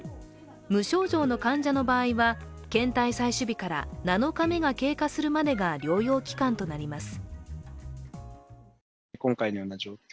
無症状の患者の場合は検体採取日から７日目が経過するまでが療養期間となります。